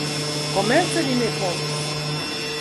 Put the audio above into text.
Komence ni ne povis.